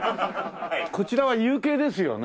こちらは有形ですよね？